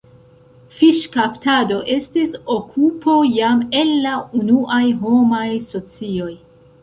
Fiŝkaptado estis okupo jam el la unuaj homaj socioj.